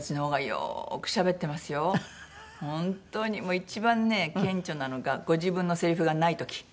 一番ね顕著なのがご自分のセリフがない時。